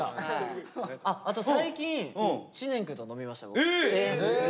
あと最近知念くんと飲みました僕。